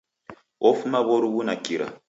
Ofuma w'oruw'u na kira.